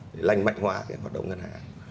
để lành mạnh hóa hoạt động ngân hàng